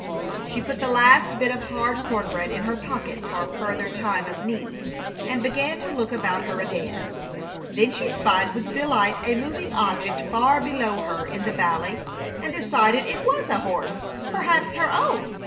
She put the last bit of hard corn bread in her pocket for a further time of need, and began to look about her again. Then she spied with delight a moving object far below her in the valley, and decided it was a horse, perhaps her own.